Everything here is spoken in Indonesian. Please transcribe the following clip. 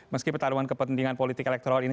meski pertarungan kepentingan politik elektoral ini